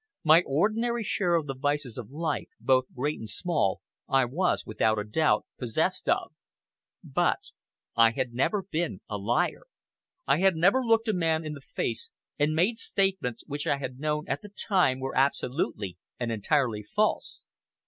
My ordinary share of the vices of life, both great and small, I was, without a doubt, possessed of. But I had never been a liar. I had never looked a man in the face and made statements which I had known at the time were absolutely and entirely false.